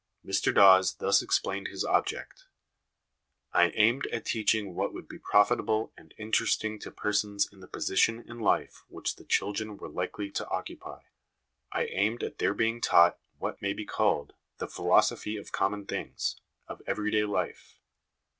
Mr Dawes thus explained his object :" I aimed at teaching what would be profitable and interesting to persons in the position in life which the children were likely to occupy. I aimed at their being taught what may be called the philosophy of common things of everyday life.